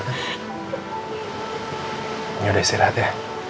ini udah istirahat ya